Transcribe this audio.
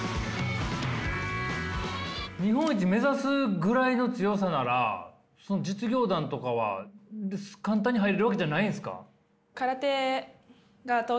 日本一目指すぐらいの強さなら実業団とかは簡単に入れるわけじゃないんすか？